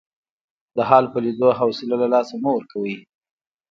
د حال په لیدو حوصله له لاسه مه ورکوئ.